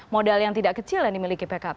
modal yang tidak kecil yang dimiliki pkb